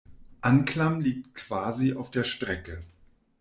Anklam liegt quasi auf der Strecke.